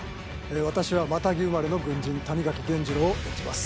私はまたぎ生まれの軍人、谷垣源次郎を演じます。